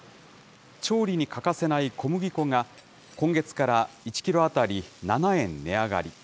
調理に欠かせない小麦粉が、今月から１キロ当たり７円値上がり。